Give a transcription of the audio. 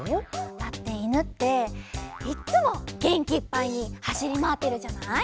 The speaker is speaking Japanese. だっていぬっていっつもげんきいっぱいにはしりまわってるじゃない？